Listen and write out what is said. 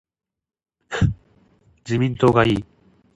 自民党がいい